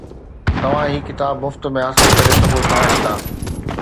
توھان ھي ڪتاب مفت ۾ حاصل ڪري سگھو ٿا ھتان